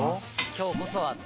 今日こそは！